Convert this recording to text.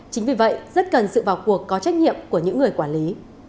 chính vì vậy rất cần sự vào cuộc có trách nhiệm của những người quản lý